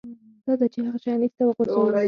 دا ده چې هغه شیان ایسته وغورځوه